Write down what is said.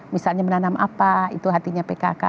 misalnya menanam apa itu hatinya pkk